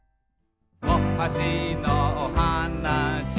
「おはしのおはなし」